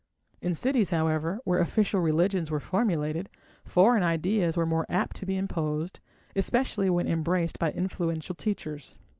In cities, however, where official religions were formulated, foreign ideas were more apt to be imposed, especially when embraced by influential teachers.